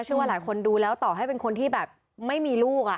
เชื่อว่าหลายคนดูแล้วต่อให้เป็นคนที่แบบไม่มีลูก